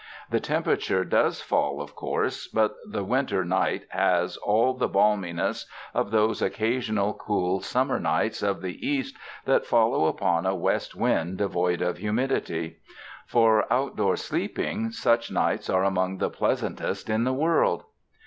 The temperature does fall, of course, but the winter night has all the balminess of those occasional cool, summer nights of the East that follow upon a west wind devoid of humidity. For outdoor sleeping, such nights are among the pleasantest in the world.